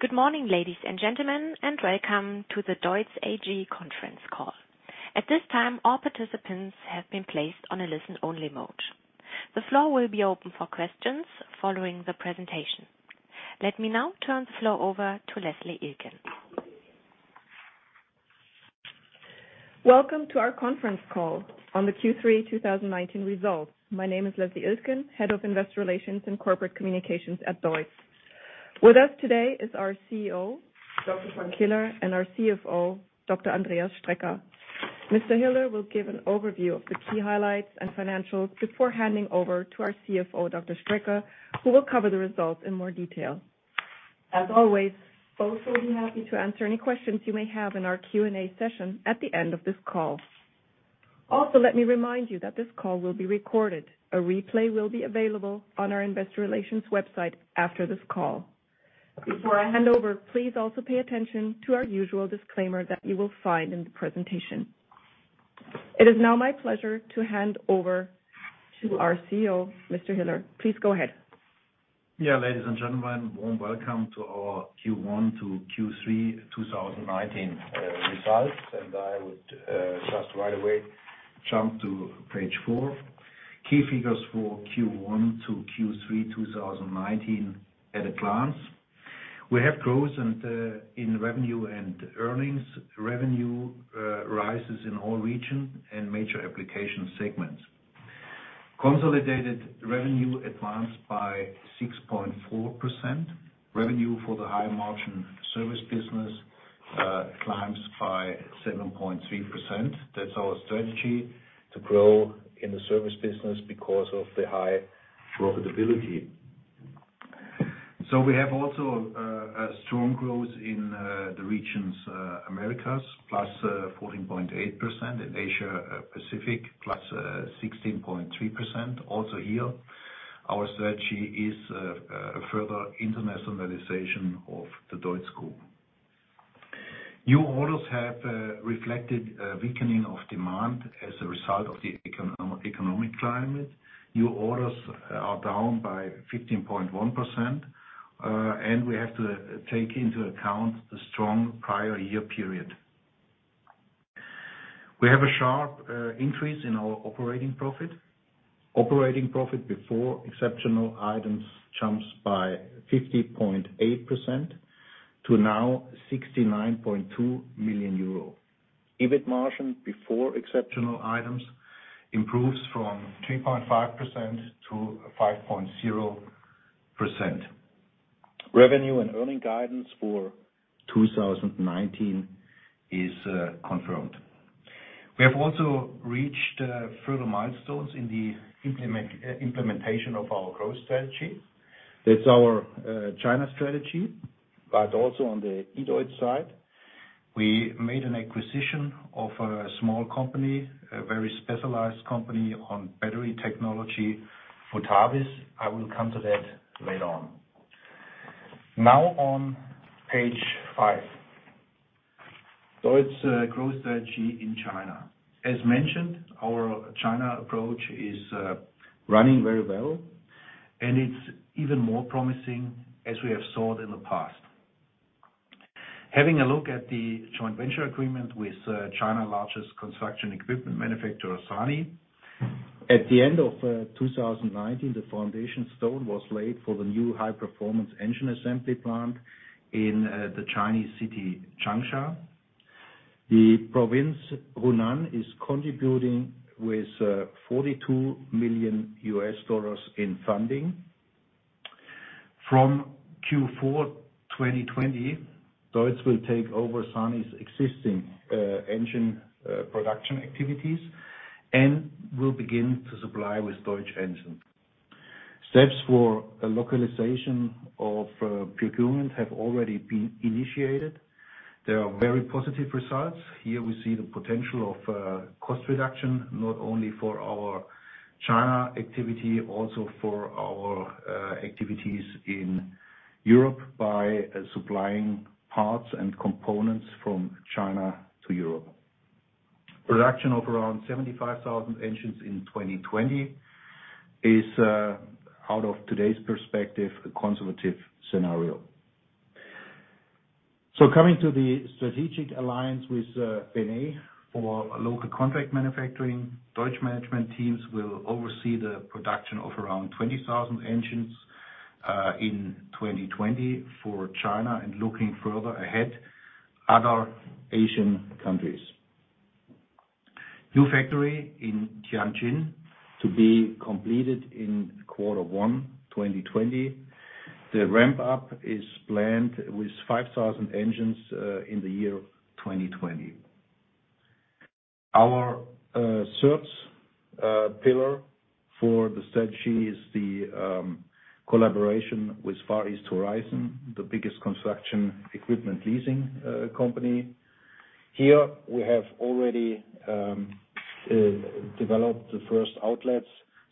Good morning, ladies and gentlemen, and welcome to the DEUTZ AG conference call. At this time, all participants have been placed on a listen-only mode. The floor will be open for questions following the presentation. Let me now turn the floor over to Leslie Ilken. Welcome to our conference call on the Q3 2019 results. My name is Leslie Ilken, Head of Investor Relations and Corporate Communications at DEUTZ. With us today is our CEO, Dr. Frank Hiller, and our CFO, Dr. Andreas Strecker. Mr. Hiller will give an overview of the key highlights and financials before handing over to our CFO, Dr. Strecker, who will cover the results in more detail. As always, both will be happy to answer any questions you may have in our Q&A session at the end of this call. Also, let me remind you that this call will be recorded. A replay will be available on our Investor Relations website after this call. Before I hand over, please also pay attention to our usual disclaimer that you will find in the presentation. It is now my pleasure to hand over to our CEO, Mr. Hiller. Please go ahead. Yeah, ladies and gentlemen, warm welcome to our Q1 to Q3 2019 results. I would just right away jump to page four. Key figures for Q1 to Q3 2019 at a glance. We have growth in revenue and earnings. Revenue rises in all regions and major application segments. Consolidated revenue advanced by 6.4%. Revenue for the high-margin service business climbs by 7.3%. That's our strategy to grow in the service business because of the high profitability. We have also strong growth in the regions of the Americas, plus 14.8%, in Asia-Pacific, plus 16.3% also here. Our strategy is further internationalization of the DEUTZ Group. New orders have reflected a weakening of demand as a result of the economic climate. New orders are down by 15.1%, and we have to take into account the strong prior year period. We have a sharp increase in our operating profit. Operating profit before exceptional items jumps by 50.8% to now 69.2 million euro. EBIT margin before exceptional items improves from 3.5% to 5.0%. Revenue and earning guidance for 2019 is confirmed. We have also reached further milestones in the implementation of our growth strategy. That is our China strategy, but also on the EDEUTZ side, we made an acquisition of a small company, a very specialized company on battery technology, FORTAVIS. I will come to that later on. Now on page five. DEUTZ growth strategy in China. As mentioned, our China approach is running very well, and it is even more promising as we have saw it in the past. Having a look at the joint venture agreement with China's largest construction equipment manufacturer, SANY, at the end of 2019, the foundation stone was laid for the new high-performance engine assembly plant in the Chinese city of Changsha. The province, Hunan, is contributing with $42 million in funding. From Q4 2020, DEUTZ will take over SANY's existing engine production activities and will begin to supply with DEUTZ engines. Steps for localization of procurement have already been initiated. There are very positive results. Here we see the potential of cost reduction not only for our China activity, also for our activities in Europe by supplying parts and components from China to Europe. Production of around 75,000 engines in 2020 is, out of today's perspective, a conservative scenario. Coming to the strategic alliance with BENE for local contract manufacturing, DEUTZ management teams will oversee the production of around 20,000 engines in 2020 for China and looking further ahead, other Asian countries. New factory in Tianjin to be completed in quarter one 2020. The ramp-up is planned with 5,000 engines in the year 2020. Our third pillar for the strategy is the collaboration with Far East Horizon, the biggest construction equipment leasing company. Here we have already developed the first outlets,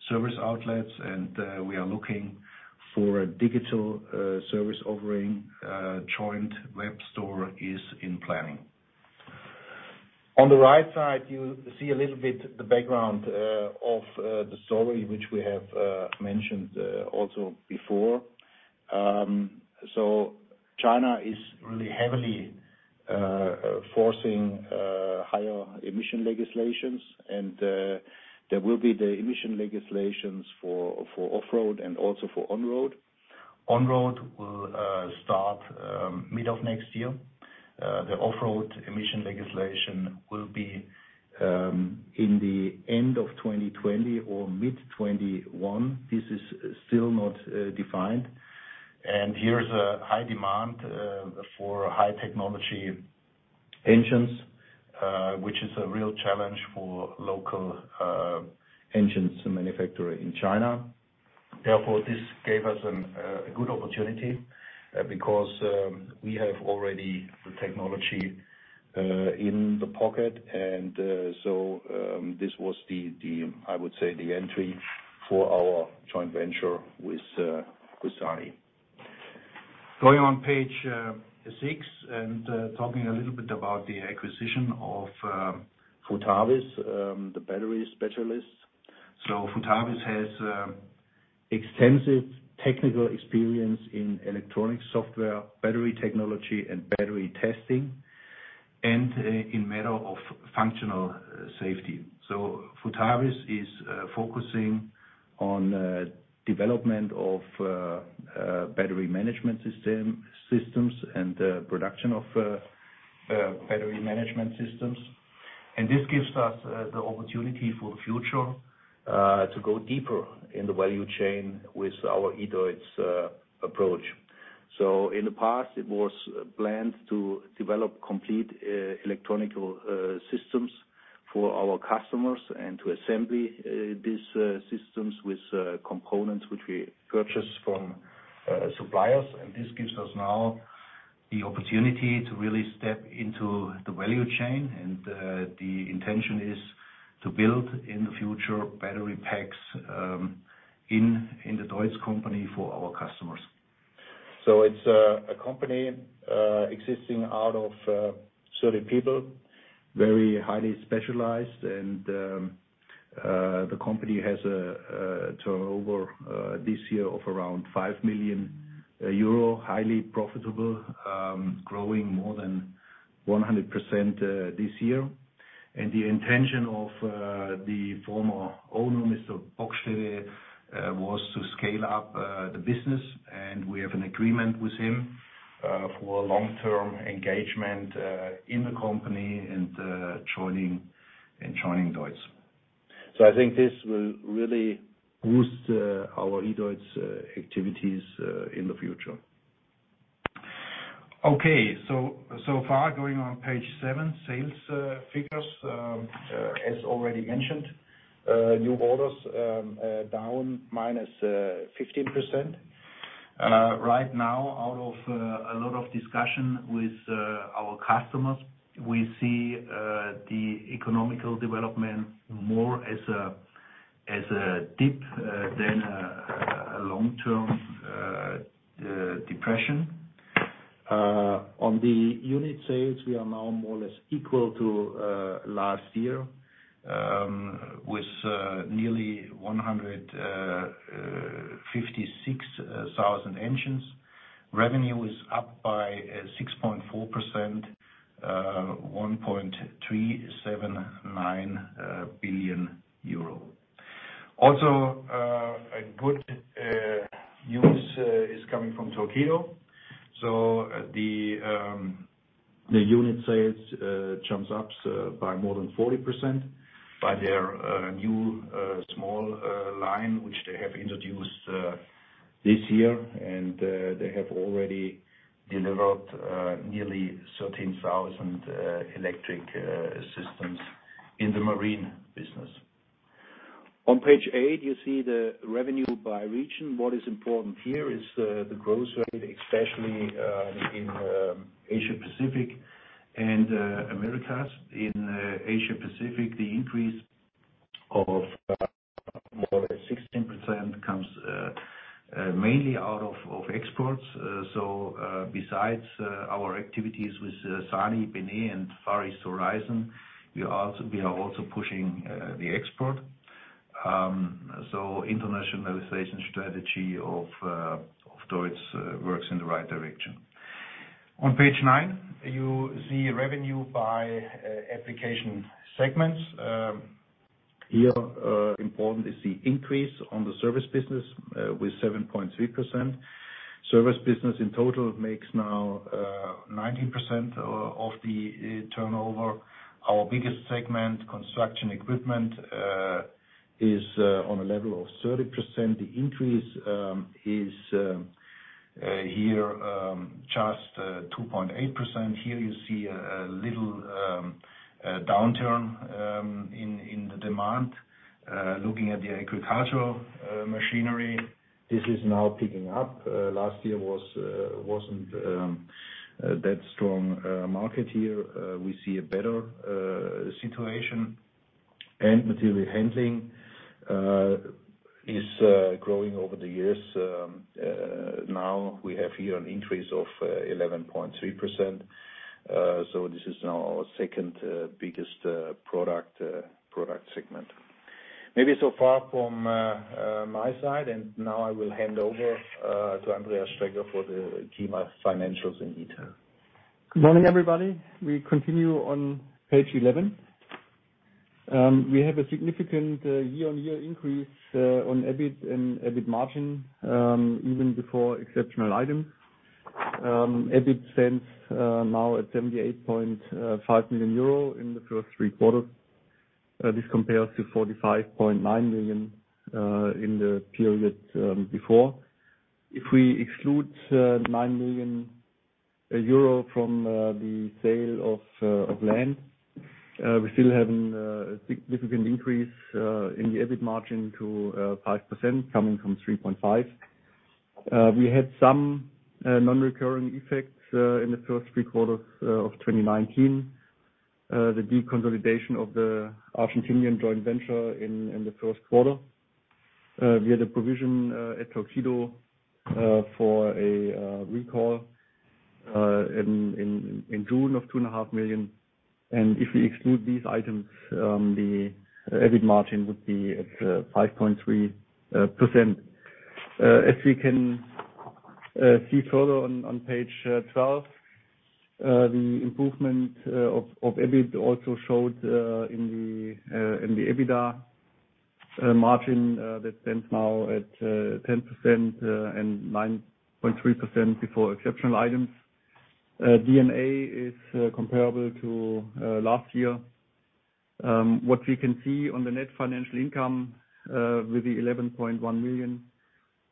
service outlets, and we are looking for a digital service offering. Joint web store is in planning. On the right side, you see a little bit the background of the story, which we have mentioned also before. China is really heavily forcing higher emission legislations, and there will be the emission legislations for off-road and also for on-road. On-road will start mid of next year. The off-road emission legislation will be in the end of 2020 or mid 2021. This is still not defined. Here is a high demand for high-technology engines, which is a real challenge for local engines manufacturers in China. Therefore, this gave us a good opportunity because we have already the technology in the pocket. This was, I would say, the entry for our joint venture with SANY. Going on page six and talking a little bit about the acquisition of FORTAVIS, the battery specialist. FORTAVIS has extensive technical experience in electronic software, battery technology, and battery testing, and in matter of functional safety. FORTAVIS is focusing on the development of battery management systems and the production of battery management systems. This gives us the opportunity for the future to go deeper in the value chain with our EDEUTZ approach. In the past, it was planned to develop complete electronic systems for our customers and to assemble these systems with components which we purchased from suppliers. This gives us now the opportunity to really step into the value chain. The intention is to build in the future battery packs in the DEUTZ company for our customers. It is a company existing out of 30 people, very highly specialized. The company has a turnover this year of around 5 million euro, highly profitable, growing more than 100% this year. The intention of the former owner, Mr. Bockstedt, was to scale up the business. We have an agreement with him for long-term engagement in the company and joining DEUTZ. I think this will really boost our EDEUTZ activities in the future. Okay. So far, going on page seven, sales figures. As already mentioned, new orders down minus 15%. Right now, out of a lot of discussion with our customers, we see the economical development more as a dip than a long-term depression. On the unit sales, we are now more or less equal to last year with nearly 156,000 engines. Revenue is up by 6.4%, EUR 1.379 billion. Also, a good news is coming from Tokyo. The unit sales jumped up by more than 40% by their new small line, which they have introduced this year. They have already delivered nearly 13,000 electric systems in the marine business. On page eight, you see the revenue by region. What is important here is the growth rate, especially in Asia-Pacific and Americas. In Asia-Pacific, the increase of more than 16% comes mainly out of exports. Besides our activities with SANY, BENE, and Far East Horizon, we are also pushing the export. The internationalization strategy of DEUTZ works in the right direction. On page nine, you see revenue by application segments. Here, important is the increase on the service business with 7.3%. Service business in total makes now 19% of the turnover. Our biggest segment, construction equipment, is on a level of 30%. The increase is here just 2.8%. Here you see a little downturn in the demand. Looking at the agricultural machinery, this is now picking up. Last year was not that strong a market here. We see a better situation. Material handling is growing over the years. Now we have here an increase of 11.3%. This is now our second biggest product segment. Maybe so far from my side. Now I will hand over to Andreas Strecker for the key financials in detail. Good morning, everybody. We continue on page 11. We have a significant year-on-year increase on EBIT and EBIT margin even before exceptional items. EBIT stands now at 78.5 million euro in the first three quarters. This compares to 45.9 million in the period before. If we exclude 9 million euro from the sale of land, we still have a significant increase in the EBIT margin to 5% coming from 3.5%. We had some non-recurring effects in the first three quarters of 2019, the deconsolidation of the Argentinian joint venture in the first quarter. We had a provision at Torqeedo for a recall in June of 2.5 million. If we exclude these items, the EBIT margin would be at 5.3%. As we can see further on page 12, the improvement of EBIT also showed in the EBITDA margin. That stands now at 10% and 9.3% before exceptional items. DNA is comparable to last year. What we can see on the net financial income with the 11.1 million,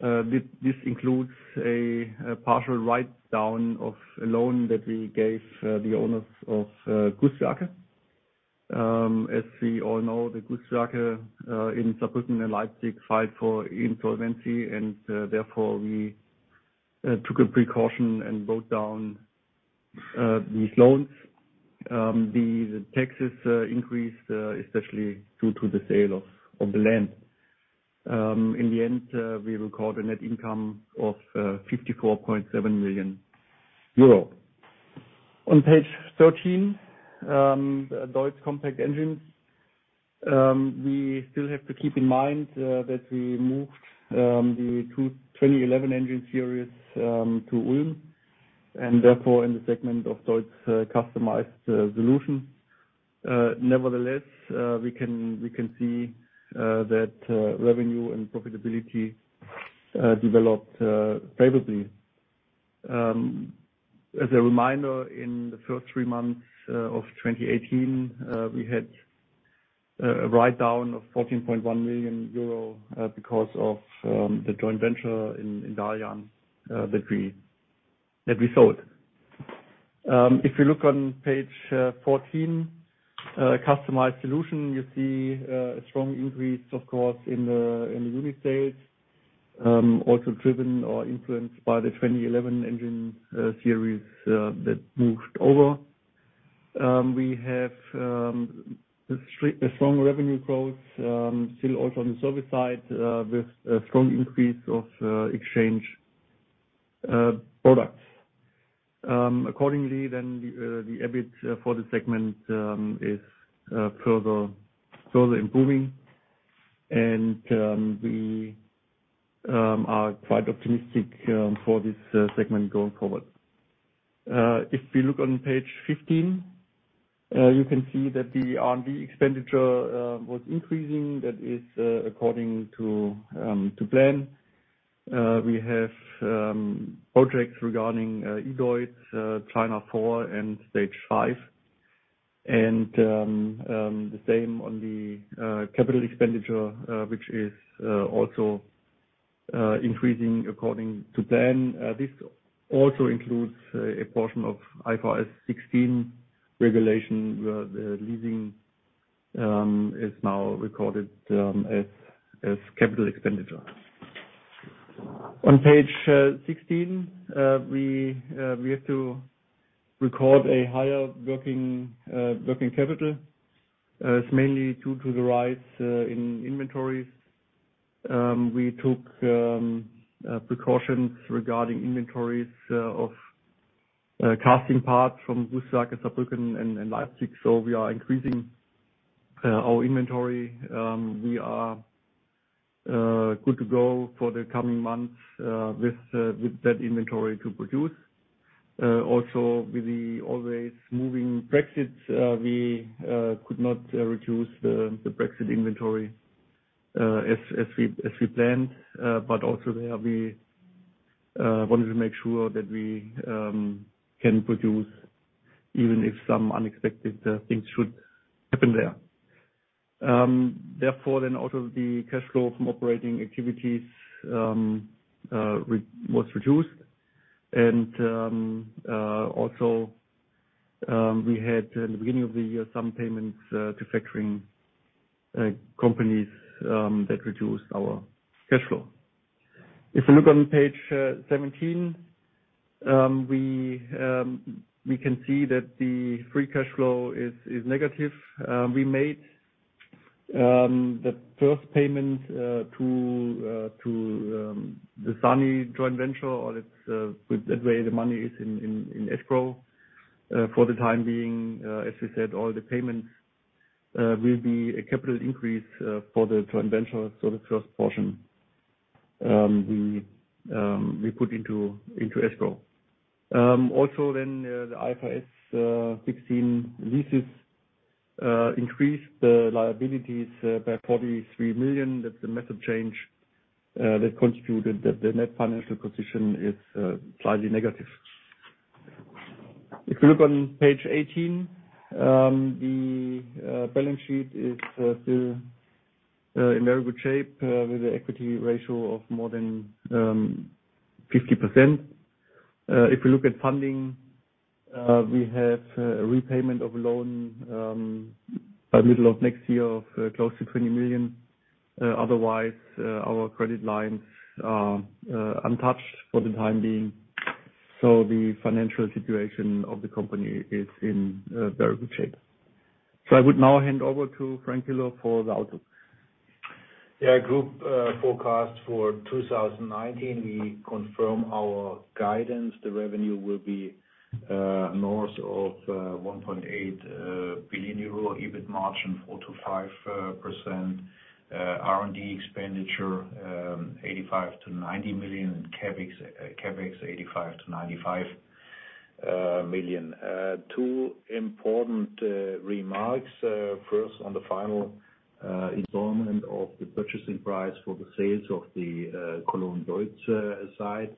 this includes a partial write-down of a loan that we gave the owners of Gusswerke. As we all know, the Gusswerke in Saarbrücken and Leipzig filed for insolvency. Therefore, we took a precaution and wrote down these loans. The taxes increased, especially due to the sale of the land. In the end, we record a net income of 54.7 million euro. On page 13, DEUTZ compact engines. We still have to keep in mind that we moved the 2011 engine series to Ulm. Therefore, in the segment of DEUTZ customized solution. Nevertheless, we can see that revenue and profitability developed favorably. As a reminder, in the first three months of 2018, we had a write-down of 14.1 million euro because of the joint venture in Dalian that we sold. If we look on page 14, customized solution, you see a strong increase, of course, in the unit sales, also driven or influenced by the 2011 engine series that moved over. We have a strong revenue growth, still also on the service side, with a strong increase of exchange products. Accordingly, the EBIT for the segment is further improving. We are quite optimistic for this segment going forward. If we look on page 15, you can see that the R&D expenditure was increasing. That is according to plan. We have projects regarding EDEUTZ, China 4, and stage 5. The same on the capital expenditure, which is also increasing according to plan. This also includes a portion of IFRS 16 regulation, where the leasing is now recorded as capital expenditure. On page 16, we have to record a higher working capital. It is mainly due to the rise in inventories. We took precautions regarding inventories of casting parts from Gusswerke, Saarbrücken, and Leipzig. We are increasing our inventory. We are good to go for the coming months with that inventory to produce. Also, with the always moving Brexit, we could not reduce the Brexit inventory as we planned. We wanted to make sure that we can produce even if some unexpected things should happen there. Therefore, the cash flow from operating activities was reduced. We had in the beginning of the year some payments to factoring companies that reduced our cash flow. If we look on page 17, we can see that the free cash flow is negative. We made the first payment to the SANY joint venture. That way, the money is in escrow for the time being. As we said, all the payments will be a capital increase for the joint venture. The first portion we put into escrow. Also, then the IFRS 16 leases increased the liabilities by 43 million. That's a massive change that contributed that the net financial position is slightly negative. If we look on page 18, the balance sheet is still in very good shape with an equity ratio of more than 50%. If we look at funding, we have a repayment of a loan by middle of next year of close to 20 million. Otherwise, our credit lines are untouched for the time being. The financial situation of the company is in very good shape. I would now hand over to Frank Hiller for the outlook. Yeah. Group forecast for 2019, we confirm our guidance. The revenue will be north of 1.8 billion euro, EBIT margin 4-5%, R&D expenditure 85-90 million, and CAPEX 85-95 million. Two important remarks. First, on the final installment of the purchasing price for the sales of the Cologne DEUTZ site,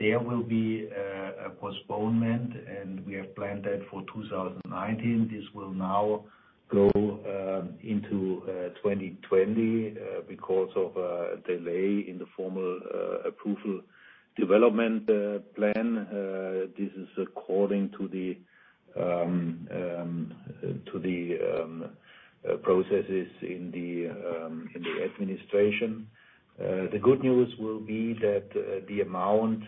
there will be a postponement. We have planned that for 2019. This will now go into 2020 because of a delay in the formal approval development plan. This is according to the processes in the administration. The good news will be that the amount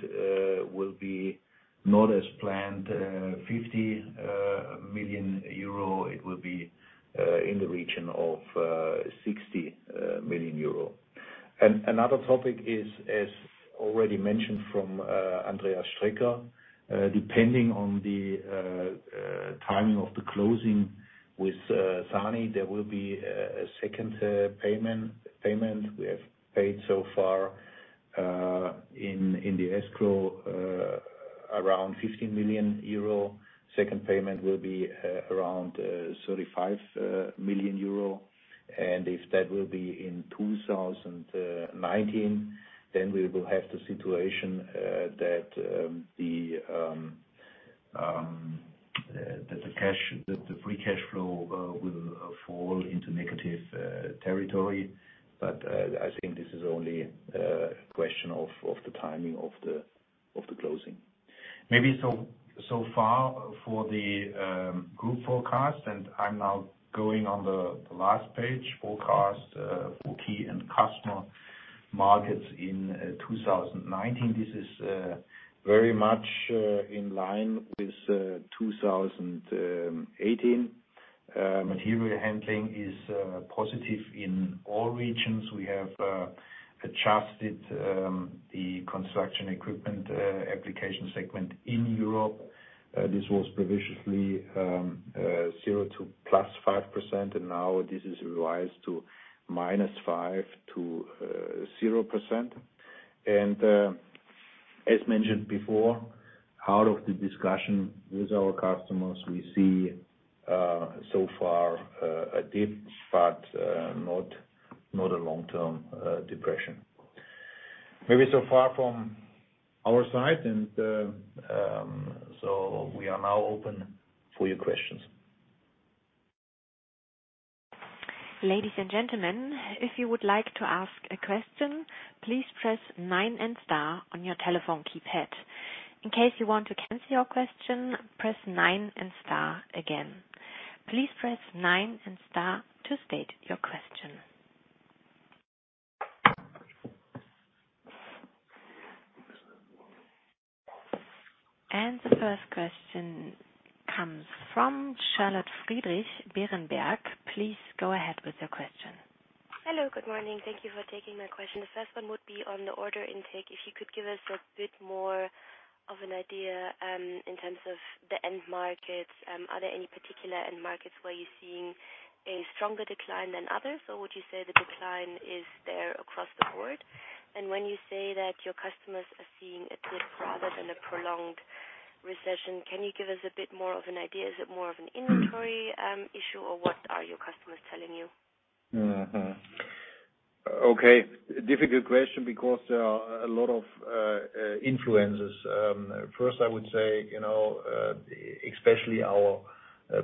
will be not as planned, 50 million euro. It will be in the region of 60 million euro. Another topic is, as already mentioned from Andreas Strecker, depending on the timing of the closing with SANY, there will be a second payment. We have paid so far in the escrow around 15 million euro. Second payment will be around 35 million euro. If that will be in 2019, then we will have the situation that the free cash flow will fall into negative territory. I think this is only a question of the timing of the closing. Maybe so far for the group forecast. I am now going on the last page, forecast for key and customer markets in 2019. This is very much in line with 2018. Material handling is positive in all regions. We have adjusted the construction equipment application segment in Europe. This was previously 0-5%. Now this is revised to -5-0%. As mentioned before, out of the discussion with our customers, we see so far a dip, but not a long-term depression. Maybe so far from our side. We are now open for your questions. Ladies and gentlemen, if you would like to ask a question, please press 9 and star on your telephone keypad. In case you want to cancel your question, press 9 and star again. Please press 9 and star to state your question. The first question comes from Charlotte Friedrich Berenberg. Please go ahead with your question. Hello. Good morning. Thank you for taking my question. The first one would be on the order intake. If you could give us a bit more of an idea in terms of the end markets, are there any particular end markets where you're seeing a stronger decline than others? Would you say the decline is there across the board? When you say that your customers are seeing a dip rather than a prolonged recession, can you give us a bit more of an idea? Is it more of an inventory issue, or what are your customers telling you? Okay. Difficult question because there are a lot of influences. First, I would say, especially our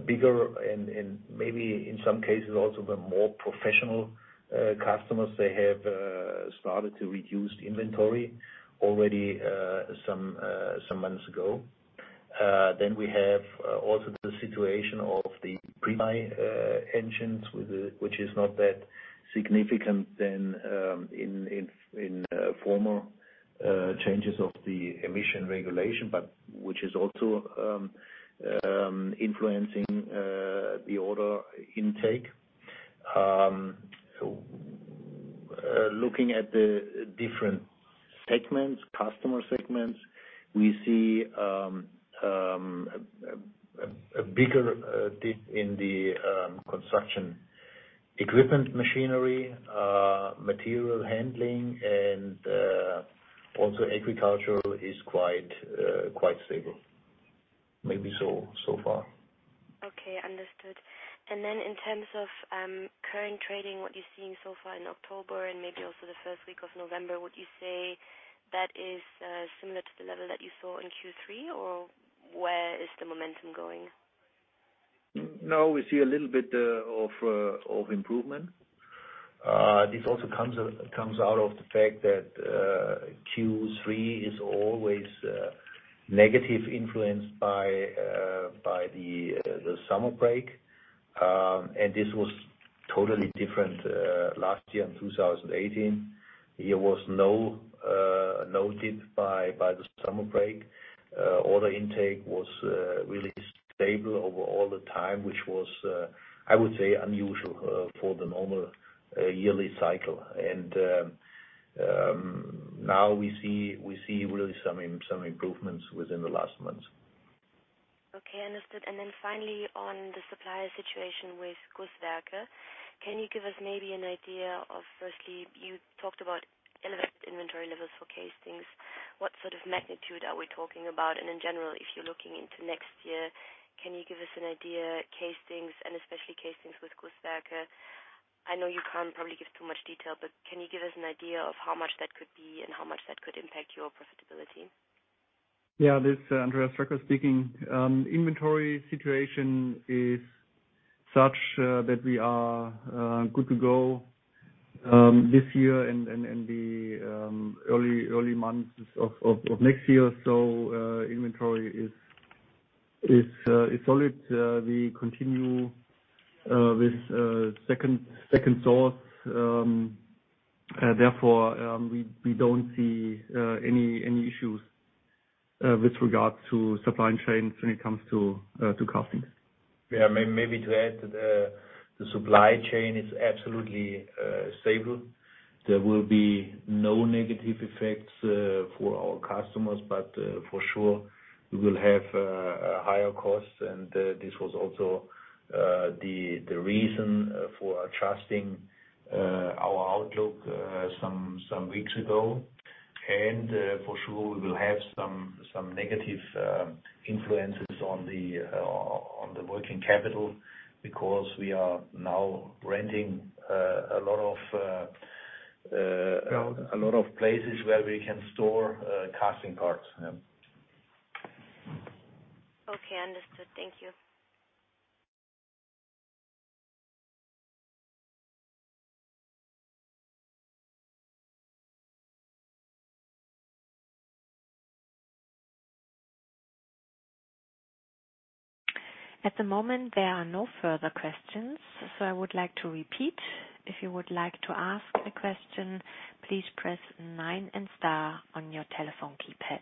bigger and maybe in some cases also the more professional customers, they have started to reduce inventory already some months ago. We have also the situation of the pre-mine engines, which is not that significant than in former changes of the emission regulation, but which is also influencing the order intake. Looking at the different segments, customer segments, we see a bigger dip in the construction equipment machinery, material handling, and also agriculture is quite stable. ASWsMaybe so far. Okay. Understood. In terms of current trading, what you're seeing so far in October and maybe also the first week of November, would you say that is similar to the level that you saw in Q3, or where is the momentum going? No, we see a little bit of improvement. This also comes out of the fact that Q3 is always negatively influenced by the summer break. This was totally different last year in 2018. There was no dip by the summer break. Order intake was really stable over all the time, which was, I would say, unusual for the normal yearly cycle. Now we see really some improvements within the last months. Okay. Understood. Finally, on the supply situation with Gusswerke, can you give us maybe an idea of firstly, you talked about elevated inventory levels for casings. What sort of magnitude are we talking about? In general, if you're looking into next year, can you give us an idea, casings and especially casings with Gusswerke? I know you can't probably give too much detail, but can you give us an idea of how much that could be and how much that could impact your profitability? Yeah. This is Sebastian Schulte speaking. Inventory situation is such that we are good to go this year and the early months of next year. So inventory is solid. We continue with second source. Therefore, we don't see any issues with regards to supply chains when it comes to castings. Yeah. Maybe to add, the supply chain is absolutely stable. There will be no negative effects for our customers. For sure, we will have higher costs. This was also the reason for adjusting our outlook some weeks ago. For sure, we will have some negative influences on the working capital because we are now renting a lot of places where we can store casting parts. Okay. Understood. Thank you. At the moment, there are no further questions. I would like to repeat, if you would like to ask a question, please press 9 and star on your telephone keypad.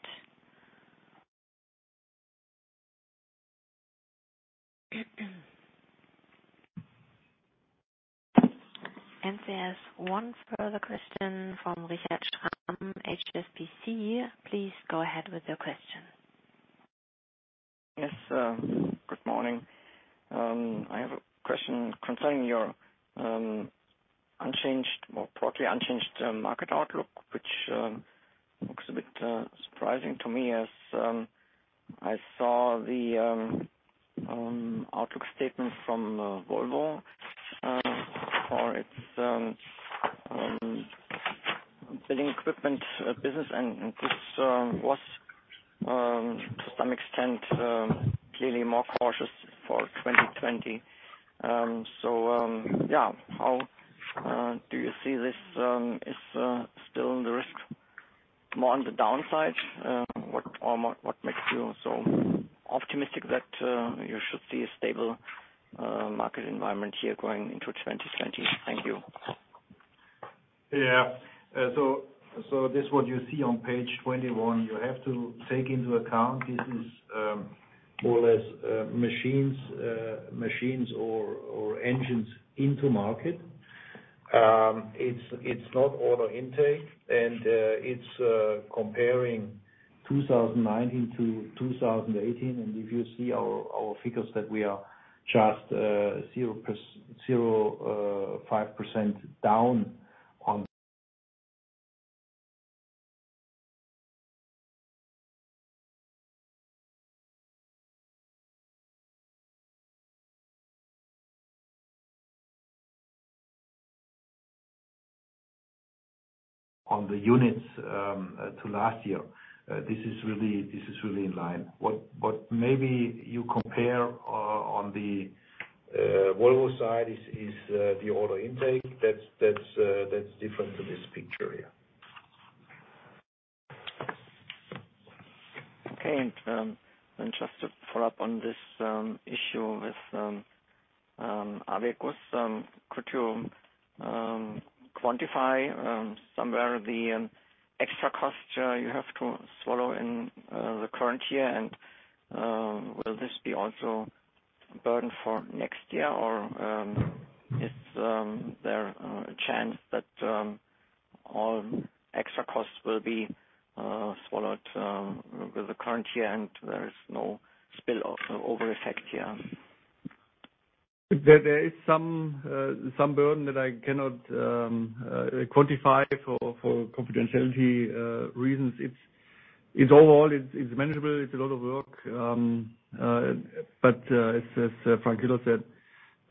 There is one further question from Richard Schramm, HSBC. Please go ahead with your question. Yes, good morning. I have a question concerning your broadly unchanged market outlook, which looks a bit surprising to me as I saw the outlook statement from Volvo for its building equipment business. This was, to some extent, clearly more cautious for 2020. How do you see this? Is still the risk more on the downside? What makes you so optimistic that you should see a stable market environment here going into 2020? Thank you. This is what you see on page 21. You have to take into account this is more or less machines or engines into market. It's not order intake. It's comparing 2019 to 2018. If you see our figures that we are just 0.5% down on the units to last year, this is really in line. What maybe you compare on the Volvo side is the order intake. That's different from this picture here. Okay. Just to follow up on this issue with ABECUS, could you quantify somewhere the extra cost you have to swallow in the current year? Will this be also a burden for next year, or is there a chance that all extra costs will be swallowed with the current year and there is no spillover effect here? There is some burden that I cannot quantify for confidentiality reasons. Overall, it's manageable. It's a lot of work. As Frank Hiller said,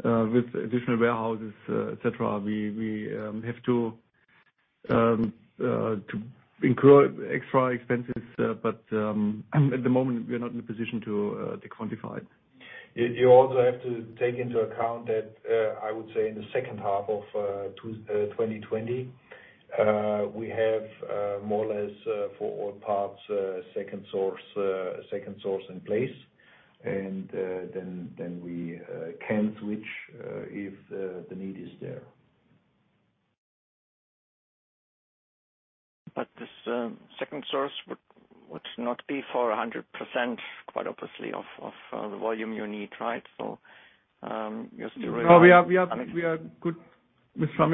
with additional warehouses, etc., we have to incur extra expenses. At the moment, we are not in a position to quantify it. You also have to take into account that I would say in the second half of 2020, we have more or less for all parts a second source in place. We can switch if the need is there. This second source would not be for 100% of the volume you need, right? You are still running on. No, we are good. With Schramm,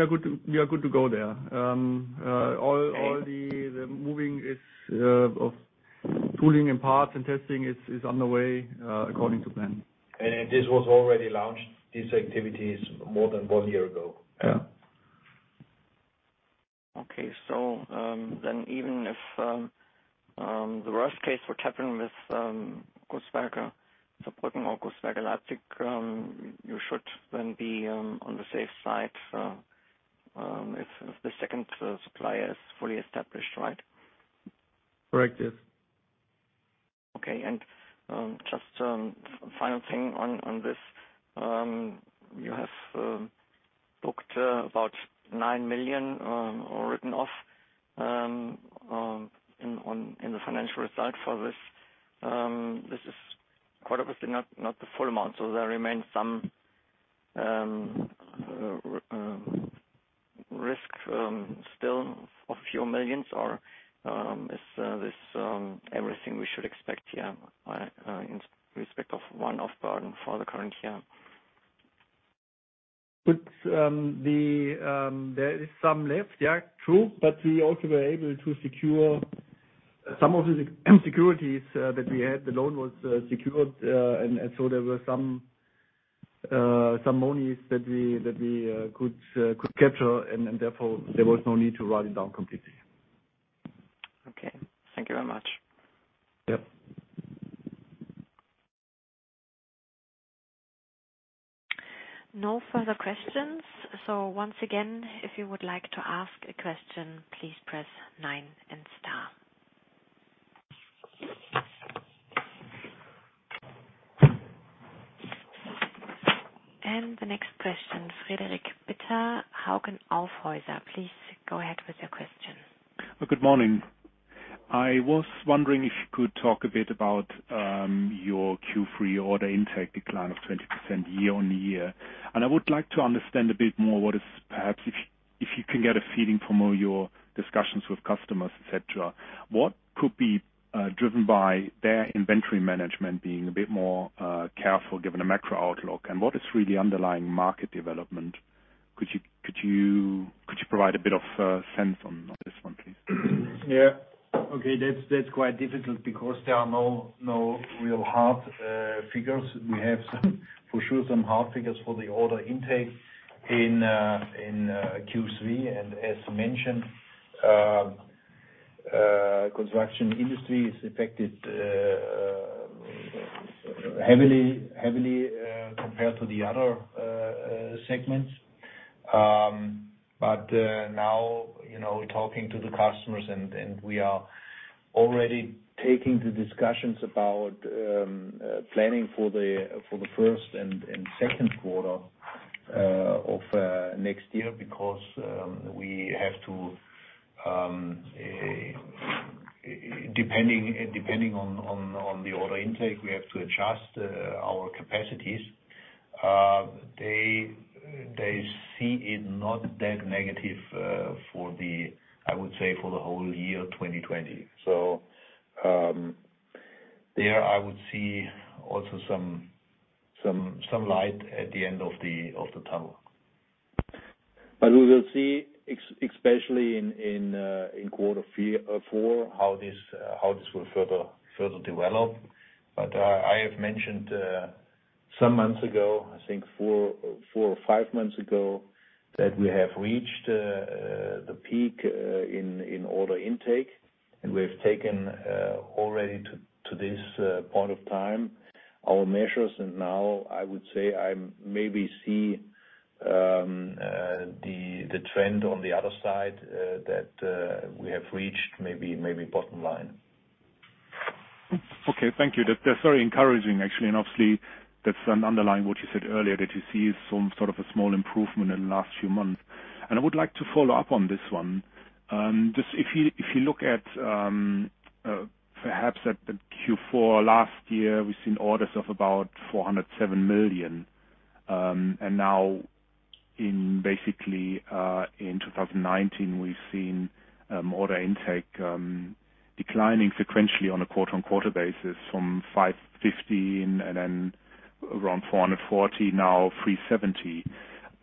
we are good to go there. All the moving of tooling and parts and testing is underway according to plan. This was already launched, these activities, more than one year ago. Yeah. Okay. Even if the worst case were to happen with Gusswerke supporting or Gusswerke-Leipzig, you should then be on the safe side if the second supplier is fully established, right? Correct. Yes. Okay. Just final thing on this. You have booked about 9 million or written off in the financial result for this. This is quite obviously not the full amount. There remains some risk still of a few millions. Is this everything we should expect here in respect of one-off burden for the current year? There is some left, yeah, true. We also were able to secure some of the securities that we had. The loan was secured. There were some monies that we could capture. Therefore, there was no need to write it down completely. Okay. Thank you very much. Yep. No further questions. Once again, if you would like to ask a question, please press 9 and star. The next question, Friedrich Bitter, Hauck Aufhäuser. Please go ahead with your question. Good morning. I was wondering if you could talk a bit about your Q3 order intake decline of 20% year on year. I would like to understand a bit more what is perhaps, if you can get a feeling from all your discussions with customers, etc., what could be driven by their inventory management being a bit more careful given a macro outlook? What is really underlying market development? Could you provide a bit of sense on this one, please? Yeah. Okay. That's quite difficult because there are no real hard figures. We have for sure some hard figures for the order intake in Q3. As mentioned, the construction industry is affected heavily compared to the other segments. We are talking to the customers, and we are already taking the discussions about planning for the first and second quarter of next year because we have to, depending on the order intake, we have to adjust our capacities. They see it not that negative for the, I would say, for the whole year 2020. There, I would see also some light at the end of the tunnel. We will see, especially in quarter four, how this will further develop. I have mentioned some months ago, I think four or five months ago, that we have reached the peak in order intake. We have taken already to this point of time our measures. I would say I maybe see the trend on the other side that we have reached maybe bottom line. Okay. Thank you. That's very encouraging, actually. Obviously, that's underlying what you said earlier that you see some sort of a small improvement in the last few months. I would like to follow up on this one. Just if you look at perhaps at Q4 last year, we've seen orders of about 407 million. Now, basically, in 2019, we've seen order intake declining sequentially on a quarter-on-quarter basis from 550 million and then around 440 million, now 370 million.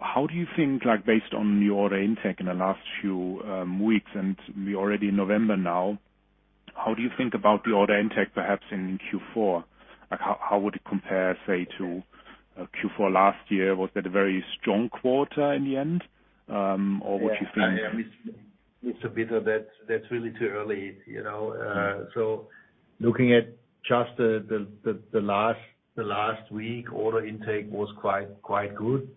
How do you think, based on your order intake in the last few weeks, and we're already in November now, how do you think about the order intake perhaps in Q4? How would it compare, say, to Q4 last year? Was that a very strong quarter in the end, or would you think? Yeah. Mr. Bitter, that's really too early. Looking at just the last week, order intake was quite good.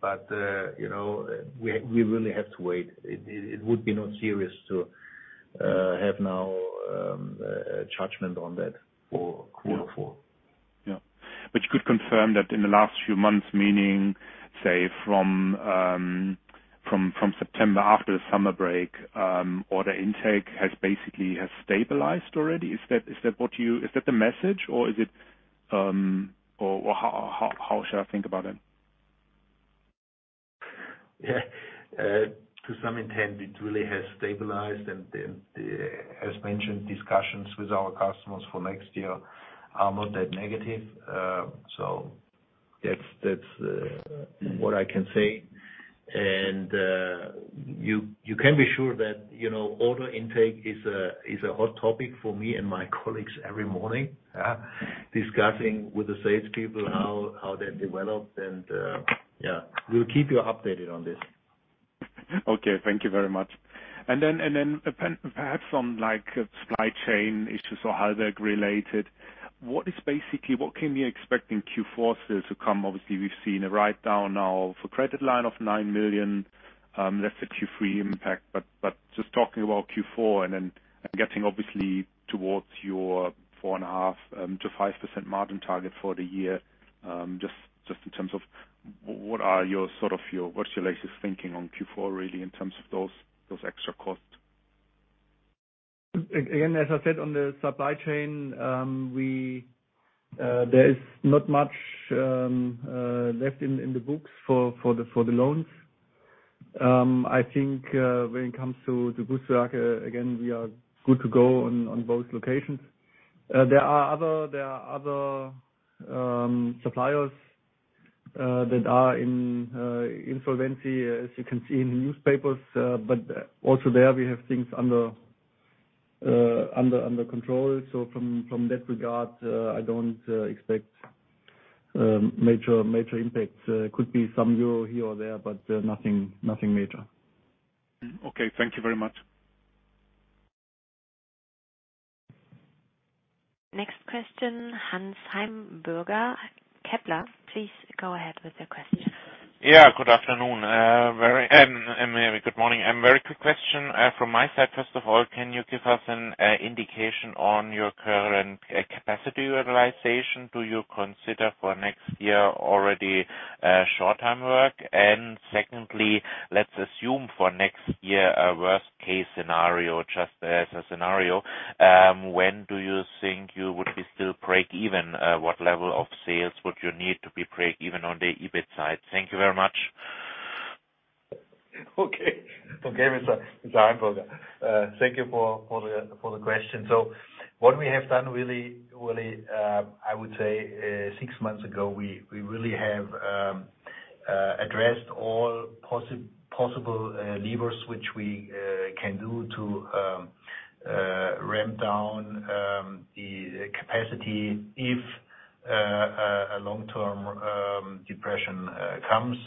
We really have to wait. It would not be serious to have a judgment on that for quarter four. Yeah. You could confirm that in the last few months, meaning, say, from September after the summer break, order intake has basically stabilized already? Is that the message, or is it how should I think about it? Yeah. To some extent, it really has stabilized. As mentioned, discussions with our customers for next year are not that negative. That's what I can say. You can be sure that order intake is a hot topic for me and my colleagues every morning, discussing with the salespeople how that developed. Yeah, we'll keep you updated on this. Okay. Thank you very much. Perhaps on supply chain issues or Hauberg-related, what can you expect in Q4 still to come? Obviously, we've seen a write-down now for credit line of 9 million. That's the Q3 impact. Just talking about Q4 and then getting obviously towards your 4.5-5% margin target for the year, just in terms of what are your sort of what's your latest thinking on Q4 really in terms of those extra costs? Again, as I said, on the supply chain, there is not much left in the books for the loans. I think when it comes to Gusswerke-Leipzig, again, we are good to go on both locations. There are other suppliers that are in insolvency, as you can see in the newspapers. Also there, we have things under control. From that regard, I don't expect major impacts. There could be some euro here or there, but nothing major. Okay. Thank you very much. Next question, Hans-Heim Burger, Kepler. Please go ahead with your question. Yeah. Good afternoon. Good morning. Very quick question from my side. First of all, can you give us an indication on your current capacity utilization? Do you consider for next year already short-term work? Secondly, let's assume for next year a worst-case scenario, just as a scenario, when do you think you would be still break-even? What level of sales would you need to be break-even on the EBIT side? Thank you very much. Okay. Okay, Mr. Heimburger. Thank you for the question. What we have done really, I would say, six months ago, we really have addressed all possible levers which we can do to ramp down the capacity if a long-term depression comes.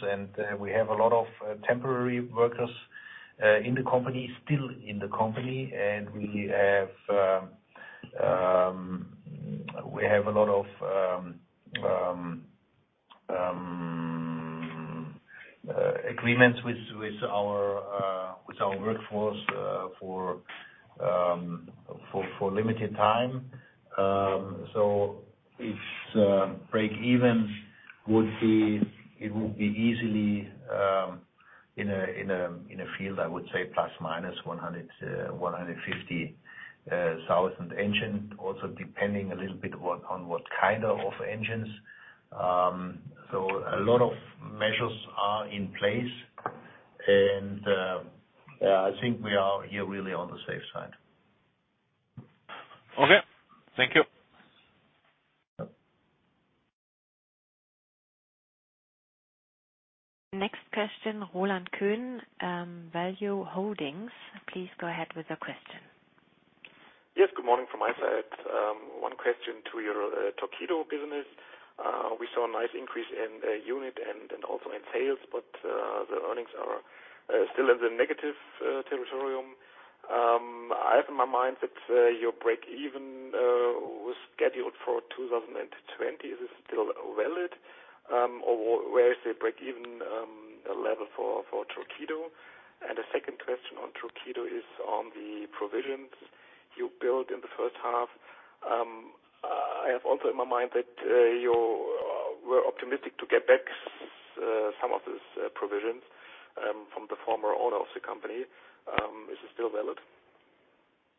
We have a lot of temporary workers in the company, still in the company. We have a lot of agreements with our workforce for limited time. If break-even, it would be easily in a field, I would say, plus minus 150,000 engines, also depending a little bit on what kind of engines. A lot of measures are in place. Yeah, I think we are here really on the safe side. Okay. Thank you. Next question, Roland Köhn, Value Holdings. Please go ahead with your question. Yes. Good morning from my side. One question to your Torqeedo business. We saw a nice increase in unit and also in sales, but the earnings are still in the negative territory. I have in my mind that your break-even was scheduled for 2020. Is it still valid, or where is the break-even level for Torqeedo? The second question on Torqeedo is on the provisions you built in the first half. I have also in my mind that you were optimistic to get back some of these provisions from the former owner of the company. Is it still valid?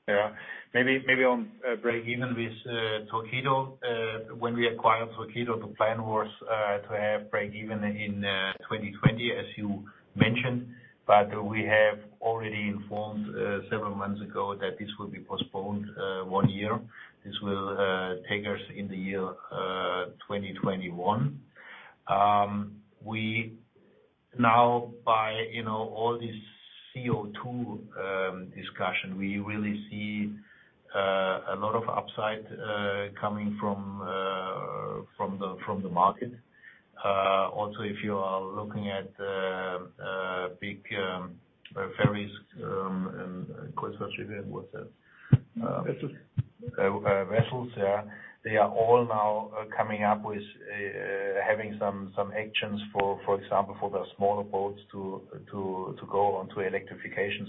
Yeah. Maybe on break-even with Torqeedo. When we acquired Torqeedo, the plan was to have break-even in 2020, as you mentioned. We have already informed several months ago that this will be postponed one year. This will take us in the year 2021. Now, by all this CO2 discussion, we really see a lot of upside coming from the market. Also, if you are looking at big ferries and Gusswerke-Leipzig, what's that? Vessels. Vessels, yeah. They are all now coming up with having some actions, for example, for the smaller boats to go onto electrification.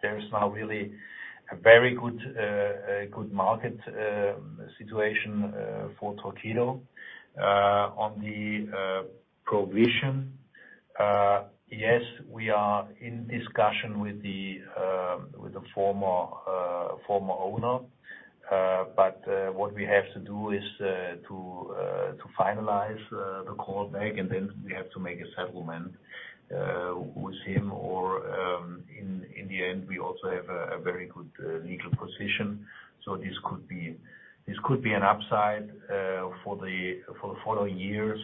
There is now really a very good market situation for Torqeedo on the provision. Yes, we are in discussion with the former owner. What we have to do is to finalize the callback, and then we have to make a settlement with him. In the end, we also have a very good legal position. This could be an upside for the following years.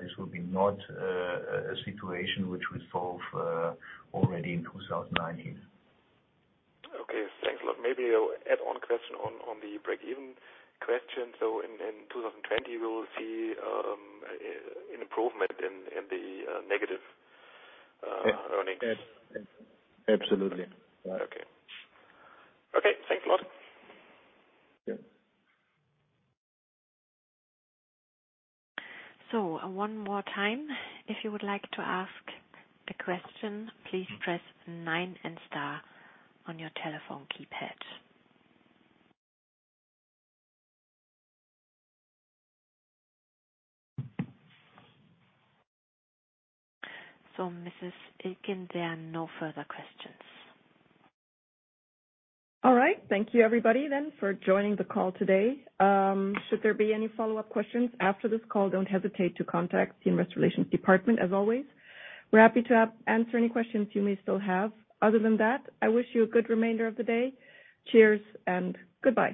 This will not be a situation which we solved already in 2019. Okay. Thanks. Maybe an add-on question on the break-even question. In 2020, we will see an improvement in the negative earnings. Absolutely. Okay. Okay. Thanks a lot. One more time, if you would like to ask a question, please press 9 and star on your telephone keypad. Mrs. Iltgen, there are no further questions. All right. Thank you, everybody, for joining the call today. Should there be any follow-up questions after this call, do not hesitate to contact the Investor Relations Department, as always. We are happy to answer any questions you may still have. Other than that, I wish you a good remainder of the day. Cheers and goodbye.